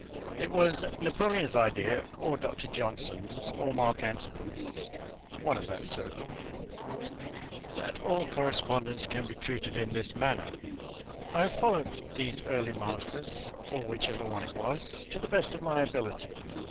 It was Napoleon's idea (or Dr. Johnson's or Mark Antony's one of that circle) that all correspondence can be treated in this manner. I have followed these early Masters (or whichever one it was) to the best of my ability.